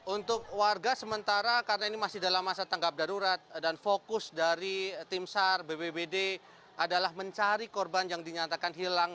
untuk warga sementara karena ini masih dalam masa tanggap darurat dan fokus dari tim sar bbbd adalah mencari korban yang dinyatakan hilang